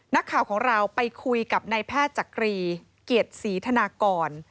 นักข่าวของเราไปคุยกับนายแพทย์จักรีเกียรติศรีธนากร